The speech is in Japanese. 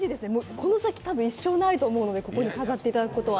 この先、一生、多分ないと思うので、ここに飾っていただくことは。